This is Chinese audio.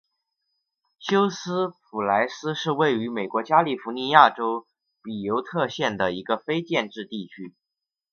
休斯普莱斯是位于美国加利福尼亚州比尤特县的一个非建制地区。